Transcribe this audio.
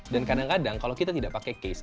dan kadang kadang kalau kita tidak pakai case